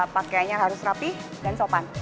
pakainya harus rapi dan sopan